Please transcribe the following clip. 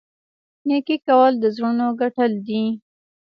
نیکي کول د زړونو ګټل دي.